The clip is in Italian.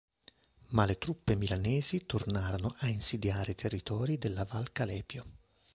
Ma le truppe milanesi tornarono a insidiare i territori della Val Calepio.